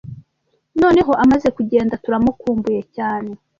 Noneho amaze kugenda, turamukumbuye cyane.